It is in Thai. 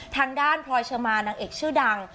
ทางด้านพลอยเชอร์มานนางเอกชื่อดัง